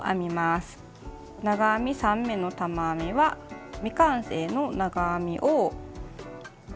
長編み３目の玉編みは未完成の長編みを３つ作って